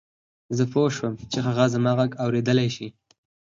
زه پوه شوم چې هغه زما غږ اورېدلای شي